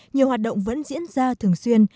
nhiều hoạt động vẫn diễn ra thường xuyên